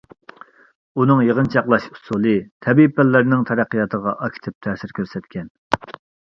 ئۇنىڭ يىغىنچاقلاش ئۇسۇلى تەبىئىي پەنلەرنىڭ تەرەققىياتىغا ئاكتىپ تەسىر كۆرسەتكەن.